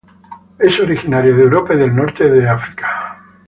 Es originaria de Europa y el norte de África.